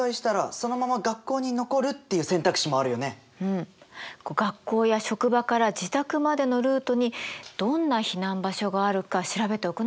うん学校や職場から自宅までのルートにどんな避難場所があるか調べておくのも大事だよね。